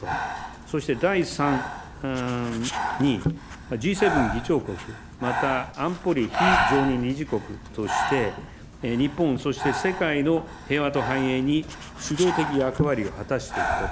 そして第３に、Ｇ７議長国、また安保理非常任理事国として、日本そして世界の平和と繁栄に主導的役割を果たしていくこと。